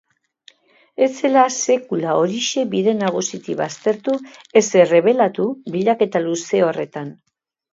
Ez zela sekula Orixe bide nagusitik baztertu ez errebelatu bilaketa luze horretan.